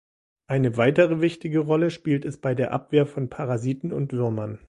Eine weitere wichtige Rolle spielt es bei der Abwehr von Parasiten und Würmern.